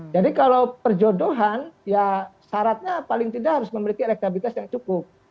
jadi kalau perjodohan ya syaratnya paling tidak harus memiliki elektabilitas yang cukup